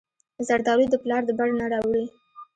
زردالو د پلار د بڼ نه راوړي.